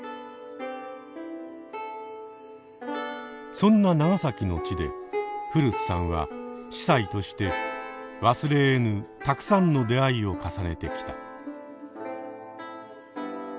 そんな長崎の地で古巣さんは司祭として忘れえぬたくさんの出会いを重ねてきた。